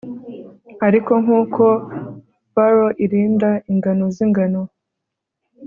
Ariko nkuko furrow irinda ingano zingano